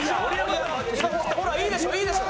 ほらいいでしょ？